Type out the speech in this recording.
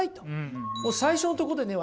最初のとこでね